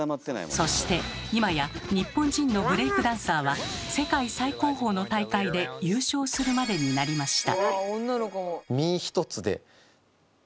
そして今や日本人のブレイクダンサーは世界最高峰の大会で優勝するまでになりました。